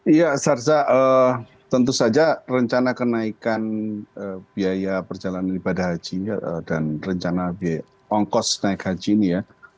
iya sarza tentu saja rencana kenaikan biaya perjalanan ibadah haji dan rencana ongkos naik haji ini ya